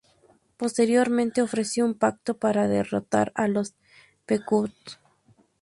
Posteriormente ofreció un pacto para derrotar a los pequot.